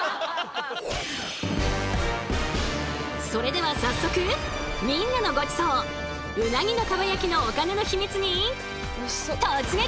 それでは早速みんなのごちそううなぎの蒲焼きのお金のヒミツに突撃！